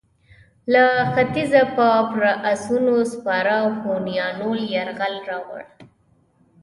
له ختیځه به پر اسونو سپاره هونیانو یرغل راووړ.